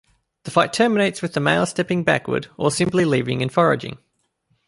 The fight terminates with the males stepping backward, or simply leaving and foraging.